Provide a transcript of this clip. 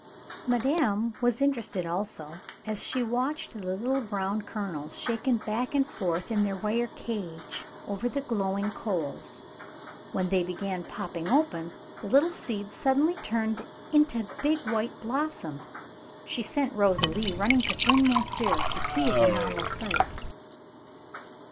Madame was interested also, as she watched the little brown kernels shaken back and forth in their wire cage over the glowing coals. When they began popping open, the little seeds suddenly turning into big white blossoms, she sent Rosalie running to bring monsieur to see the novel sight.